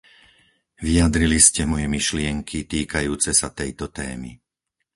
Vyjadrili ste moje myšlienky týkajúce sa tejto témy.